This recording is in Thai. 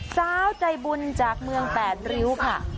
สาวใจบุญจากเมืองแปดริ้วค่ะ